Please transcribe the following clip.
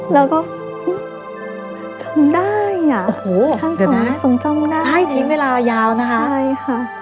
แล้วก็จำได้อ่ะโอ้โหเดี๋ยวนะท่านส่งจำได้ใช่ชิ้นเวลายาวนะคะใช่ค่ะ